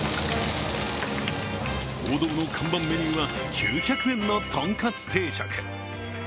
王道の看板メニューは、９００円のとんかつ定食。